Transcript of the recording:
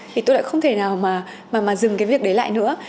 thì tôi lại không thể nào mà dừng cái việc đấy lại nữa